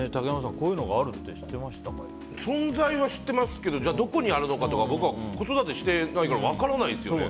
こういうのがあるって存在は知っていますけどじゃあどこにあるのかとか僕は子育てしてないから分からないですよね。